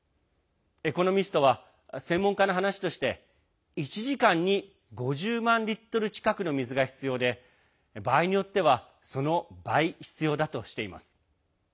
「エコノミスト」は専門家の話として１時間に５０万リットル近くの水が必要で場合によってはその倍必要だとしています。